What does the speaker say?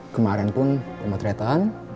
kemarin pun rumah tretan